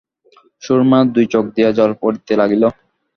সুরমার দুই চোখ দিয়া জল পড়িতে লাগিল।